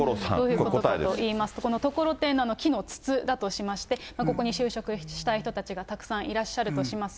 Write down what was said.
これは五郎さん、これ、このところてんの木の筒だといいますと、ここに就職したい人たちがたくさんいらっしゃるとします。